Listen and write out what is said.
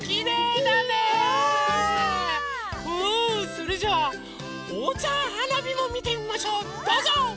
それじゃおうちゃんはなびもみてみましょうどうぞ！